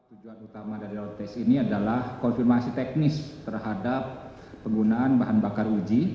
tujuan utama dari road test ini adalah konfirmasi teknis terhadap penggunaan bahan bakar uji